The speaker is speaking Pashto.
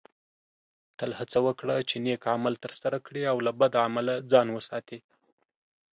تل هڅه وکړه چې نیک عمل ترسره کړې او له بد عمله ځان وساتې